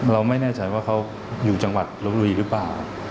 เราไม่แน่ใจว่าเขาอยู่จังหวัดลบบุรีหรือเปล่า